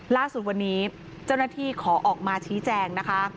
ล่าสุดวันนี้เจ้าหน้าที่ขอออกมาชี้แจงนะคะ